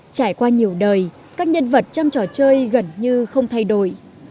trải qua nhiều đời các nhân vật trong trò chơi gần như không thay đổi